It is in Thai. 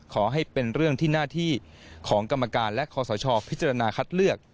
ขอให้เป็นเรื่องที่หน้าที่ของกรรมการและคอสชพิจารณาคัดเลือก